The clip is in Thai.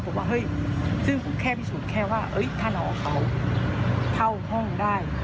ผมว่าเฮ้ยซึ่งแค่วิสุทธิ์แค่ว่าท่านห่อเขาเข้าห้องได้